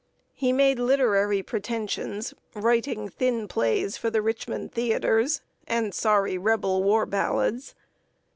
He made literary pretensions, writing thin plays for the Richmond theaters, and sorry Rebel war ballads.